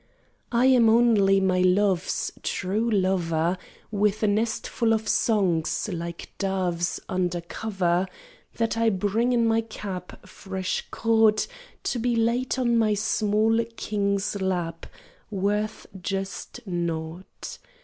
I am only my love's True lover, With a nestful of songs, like doves Under cover, That I bring in my cap Fresh caught, To be laid on my small king's lap Worth just nought.